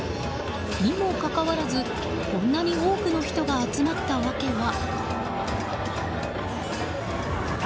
にもかかわらず、こんなに多くの人が集まった訳は。